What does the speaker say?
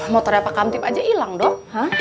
motornya pak kamtip aja hilang dong